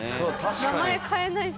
名前変えないと。